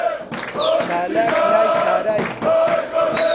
چالاک لای سارای گرت.